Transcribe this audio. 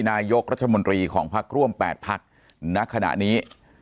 นายกรัชมนธรีของภาคร่วม๘ปัตย์ณขณะนี้